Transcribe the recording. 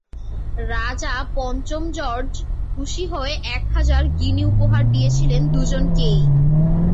রাজা পঞ্চম জর্জ খুশি হয়ে এক হাজার গিনি উপহার দিয়েছিলেন দুজনকেই।